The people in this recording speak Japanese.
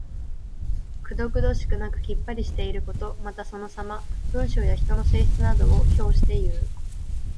くどくどしくなくきっぱりしていること。また、そのさま。文章や人の性質などを評していう。